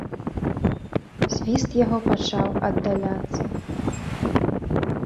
Свіст яго пачаў аддаляцца.